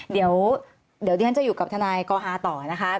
เดี๋ยวดิฉันจะอยู่กับทนายกอฮาต่อนะคะ